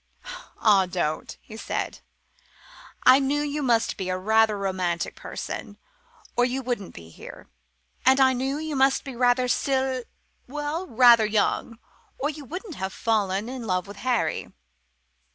"Ah, don't!" he said; "I knew you must be a very romantic person, or you wouldn't be here; and I knew you must be rather sill well, rather young, or you wouldn't have fallen in love with Harry.